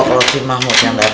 kalau si mahmud yang dateng